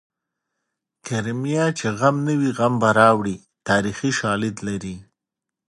کرمیه چې غم نه وي غم به راوړې تاریخي شالید لري